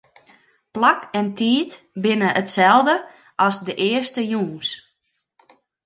Plak en tiid binne itselde as de earste jûns.